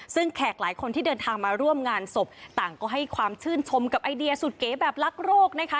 ซึ่งแขกหลายคนที่เดินทางมาร่วมงานศพต่างก็ให้ความชื่นชมกับไอเดียสุดเก๋แบบรักโรคนะคะ